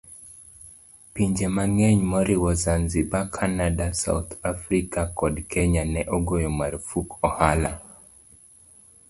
Pinje mang'eny moriwo Zanzibar, Canada, South Africa, kod Kenya ne ogoyo marfuk ohala